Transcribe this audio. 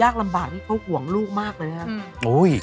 เขาก็งงไง